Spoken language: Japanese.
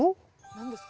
何ですか？